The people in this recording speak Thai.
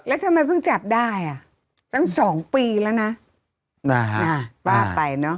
แล้วทำไมเพิ่งจับได้อ่ะตั้งสองปีแล้วนะนะฮะป้าไปเนอะ